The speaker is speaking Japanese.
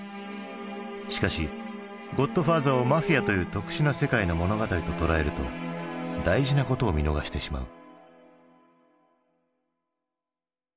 しかし「ゴッドファーザー」をマフィアという特殊な世界の物語と捉えると大事なことを見逃してしまう。